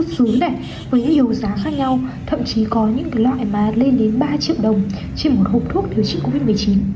thậm chí có những loại mà lên đến ba triệu đồng trên một hộp thuốc điều trị covid một mươi chín